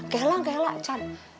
kela kela chan